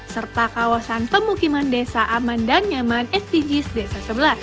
serta kawasan pemukiman desa aman dan nyaman sdgs desa sebelas